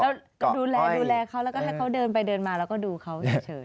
ก็ดูแลเขาแล้วก็ให้เขาเดินไปเดินมาเราก็ดูเขาเฉย